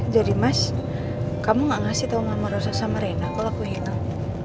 jadi mas kamu gak ngasih tau nama rosa sama reina kalau aku hilang